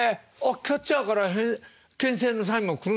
キャッチャーからけん制のサインも来るんですか？